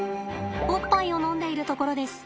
おっぱいを飲んでいるところです。